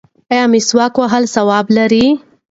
ایا مسواک وهل ثواب لري؟